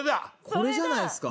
これじゃないですか。